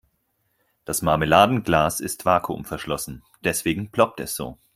Das Marmeladenglas ist vakuumverschlossen, deswegen ploppt es so.